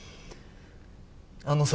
あのさ。